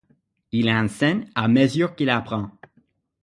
Il enseigne à mesure qu’il apprend.